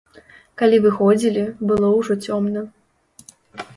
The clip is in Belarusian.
Калі выходзілі, было ўжо цёмна.